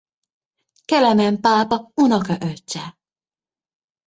Kelemen pápa unokaöccse.